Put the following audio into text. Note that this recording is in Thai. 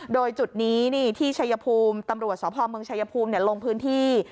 โดยจุดนี้ที่ทีชยภูมิต่ำตัวสขพเมืองชยภูมิลงค์พื้นที่